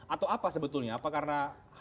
atau apa sebetulnya